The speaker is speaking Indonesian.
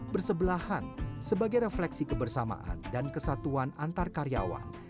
bersebelahan sebagai refleksi kebersamaan dan kesatuan antarkaryawan